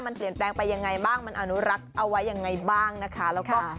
มันเปลี่ยนแปลงไปยังไงบ้างมันอนุรักษ์เอาไว้ยังไงบ้างนะคะแล้วก็